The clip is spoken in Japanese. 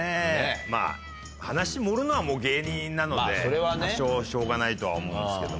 まぁ話盛るのはもう芸人なので多少しょうがないとは思うんですけども。